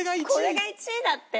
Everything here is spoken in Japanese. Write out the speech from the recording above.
これが１位だって！